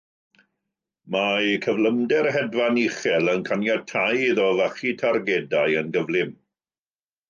Mae cyflymder hedfan uchel yn caniatáu iddo fachu targedau yn gyflym.